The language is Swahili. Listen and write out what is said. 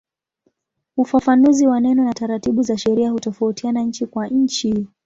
Ufafanuzi wa neno na taratibu za sheria hutofautiana nchi kwa nchi.